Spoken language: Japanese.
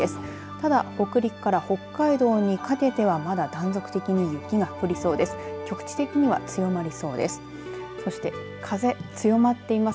ただ、北陸から北海道にかけてはまだ断続的に雪が降りそうです。